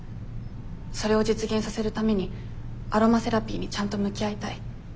それを実現させるためにアロマセラピーにちゃんと向き合いたい。